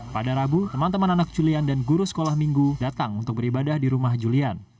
pada rabu teman teman anak julian dan guru sekolah minggu datang untuk beribadah di rumah julian